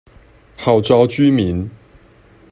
號召居民